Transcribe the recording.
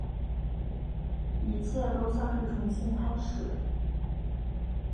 一切都像是重新开始